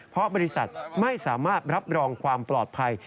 เพราะบริษัทไม่สามารถรับรองความปลอดภัย